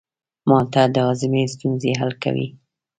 مالټه د هاضمې ستونزې حل کوي.